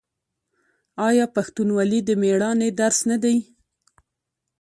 آیا پښتونولي د میړانې درس نه دی؟